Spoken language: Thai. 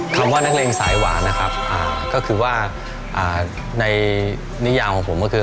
คำว่านักเลงสายหวานนะครับก็คือว่าในนิยามของผมก็คือ